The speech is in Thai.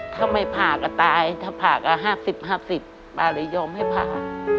ถ้าไม่ผ่าก็ตายถ้าผ่าก็ห้าสิบห้าสิบปลาเลยยอมให้ผ่า